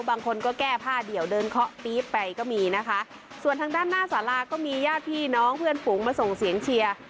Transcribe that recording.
บางคนก็แก้ผ้าเดี่ยวเดินเคาะปี๊บไปก็มีนะคะส่วนทางด้านหน้าสาราก็มีญาติพี่น้องเพื่อนฝูงมาส่งเสียงเชียร์